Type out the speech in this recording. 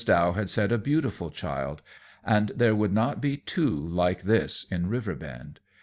Dow had said a beautiful child, and there would not be two like this in Riverbend.